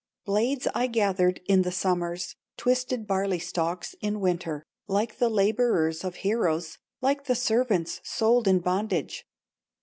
"Blades I gathered in the summers, Twisted barley stalks in winter, Like the laborers of heroes, Like the servants sold in bondage.